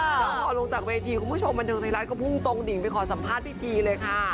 แล้วพอลงจากเวทีคุณผู้ชมบันเทิงไทยรัฐก็พุ่งตรงดิ่งไปขอสัมภาษณ์พี่พีเลยค่ะ